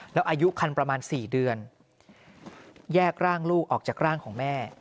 แล้วอายุคันประมาณ๔เดือนแยกร่างลูกออกจากร่างของแม่